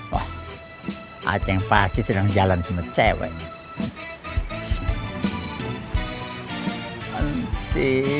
wah aceh yang pasti sedang jalan sama cewek